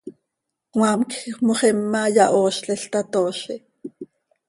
Cmaam quij moxima yahoozlil, tatoozi.